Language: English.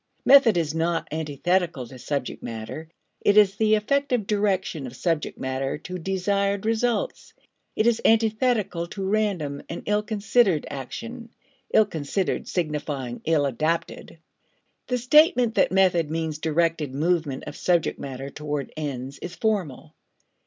Method is not antithetical to subject matter; it is the effective direction of subject matter to desired results. It is antithetical to random and ill considered action, ill considered signifying ill adapted. The statement that method means directed movement of subject matter towards ends is formal.